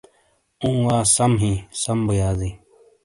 اوں وا سَم ہی سَم بو یازیں۔